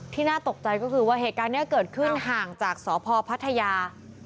น่าตกใจก็คือว่าเหตุการณ์นี้เกิดขึ้นห่างจากสพพัทยา